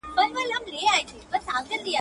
جانانه شپه د بېلتانه مي بې تا نه تېرېږي.